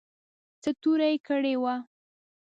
څه توره کړې وه.